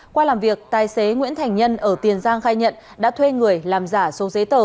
qua làm việc tài xế nguyễn thành nhân ở tiền giang khai nhận đã thuê người làm giả số giấy tờ